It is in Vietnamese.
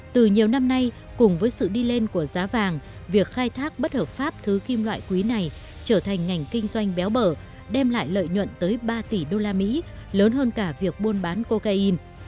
từ nhiều năm nay cùng với sự đi lên của giá vàng việc khai thác bất hợp pháp thứ kim loại quý này trở thành ngành kinh doanh béo bở đem lại lợi nhuận tới ba tỷ usd lớn hơn cả việc buôn bán cocaine